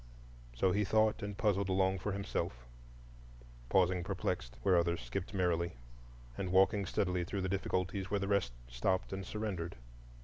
So he thought and puzzled along for himself,—pausing perplexed where others skipped merrily, and walking steadily through the difficulties where the rest stopped and surrendered.